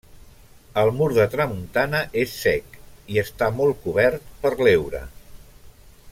El mur de tramuntana és cec i està molt cobert per l'heura.